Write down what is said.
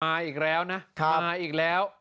อีกแล้วนะมาอีกแล้ว